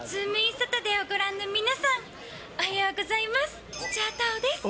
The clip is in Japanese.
サタデーをご覧の皆さん、おはようございます、土屋太鳳です。